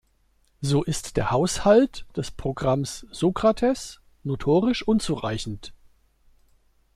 So ist der Haushalt des Programms Sokrates notorisch unzureichend.